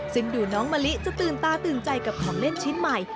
ซึ่งดูน้องมะลิจะตื่นตาตื่นใจกับของเล่นชิ้นใหม่